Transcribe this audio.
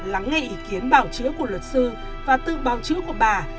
lắng nghe ý kiến bảo chứa của luật sư và tự bảo chứa của bà